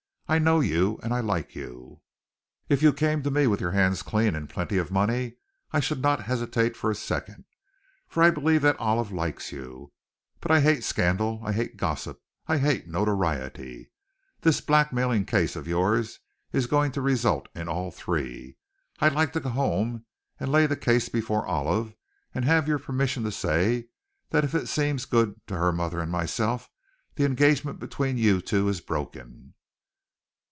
I know you, and I like you. If you came to me with your hands clean and plenty of money, I should not hesitate for a second, for I believe that Olive likes you. But I hate scandal, I hate gossip, I hate notoriety! This blackmailing case of yours is going to result in all three. I'd like to go home and lay the case before Olive, and have your permission to say that if it seems good to her mother and myself, the engagement between you two is broken."